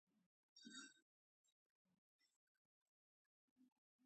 هو ریښتیا، په تناره ډوډۍ پخومه